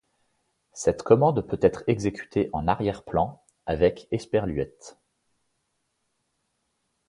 Cette commande peut être exécutée en arrière-plan avec &.